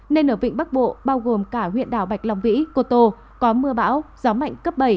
nên ở vịnh bắc bộ bao gồm cả huyện đảo bạch long vĩ cô tô có mưa bão gió mạnh cấp bảy